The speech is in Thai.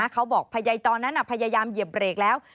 เขาบอกตอนนั้นพยายามเหยียบเบรกแล้ว